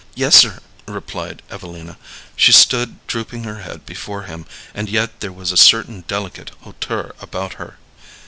"Yes, sir," replied Evelina. She stood drooping her head before him, and yet there was a certain delicate hauteur about her.